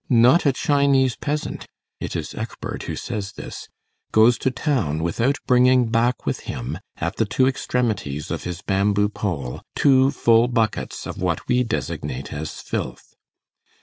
Not a Chinese peasant—it is Eckberg who says this,—goes to town without bringing back with him, at the two extremities of his bamboo pole, two full buckets of what we designate as filth.